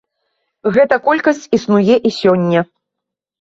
Гэта колькасць існуе і сёння.